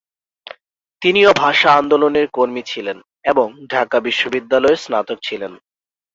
তিনিও ভাষা আন্দোলনের কর্মী ছিলেন এবং ঢাকা বিশ্ববিদ্যালয়ের স্নাতক ছিলেন।